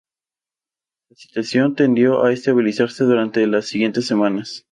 La situación tendió a estabilizarse durante las siguientes semanas.